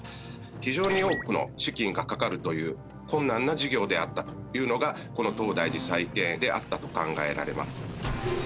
非常に多くの資金がかかるという困難な事業であったというのがこの東大寺再建であったと考えられます。